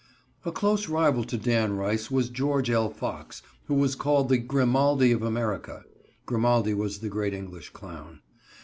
A close rival to Dan Rice was George L. Fox, who was called the "Grimaldi of America." Grimaldi was the great English clown.